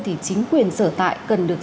thì chính quyền sở tại cần được